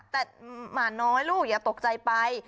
แต่หมาน้อยลูกอย่าตกใจไป